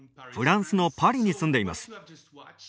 フランスのパリに住んでいます。